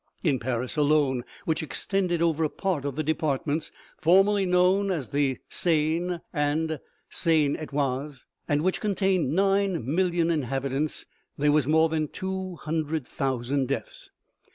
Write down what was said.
In Paris alone, which extended over a part of the departments formerly known as the Seine and Seine et Oise, and which contained nine million inhabitants, there was more than two hundred thousand deaths.